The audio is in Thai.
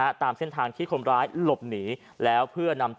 ในรถคันนึงเขาพุกอยู่ประมาณกี่โมงครับ๔๕นัท